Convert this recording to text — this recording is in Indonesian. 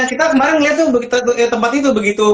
kita kemarin lihat tuh tempat itu begitu